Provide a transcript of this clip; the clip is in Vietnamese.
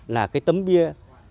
là cái tấm bia